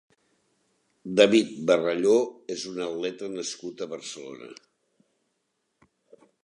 David Barrallo és un atleta nascut a Barcelona.